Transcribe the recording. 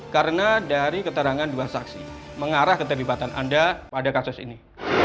karena dari keterangan dua saksi mengarah keterlibatan anda pada kasus ini